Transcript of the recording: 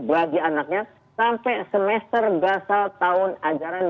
bagi anaknya sampai semester basal tahun ajaran dua ribu dua puluh satu dua ribu dua puluh dua